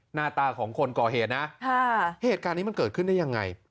หน้าตาของคนก่อเหตุนะเหตุการณ์นี้มันเกิดขึ้นได้ยังไง